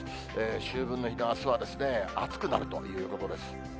秋分の日のあすは暑くなるということです。